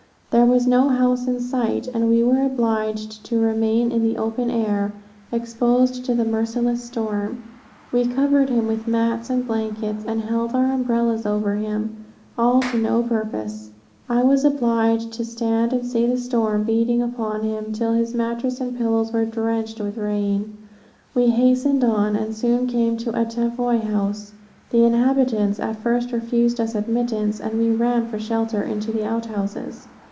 There was no house in sight, and we were obliged to remain in the open air, exposed to the merciless storm. We covered him with mats and blankets, and held our umbrellas over him, all to no purpose. I was obliged to stand and see the storm beating upon him, till his mattress and pillows were drenched with rain. We hastened on, and soon came to a Tavoy house. The inhabitants at first refused us admittance, and we ran for shelter into the out houses.